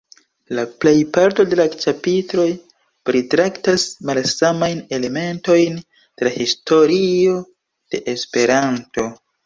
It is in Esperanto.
La plejparto de la ĉapitroj pritraktas malsamajn elementojn de la historio de Esperanto.